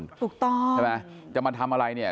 ถูกต้องใช่ไหมจะมาทำอะไร